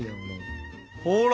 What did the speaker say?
ほら。